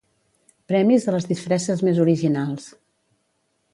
Premis a les disfresses més originals.